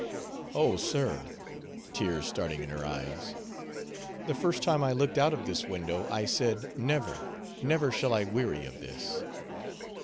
"Oh, sir," tears starting in her eyes, "the first time I looked out of this window, I said 'never, never shall I weary of this.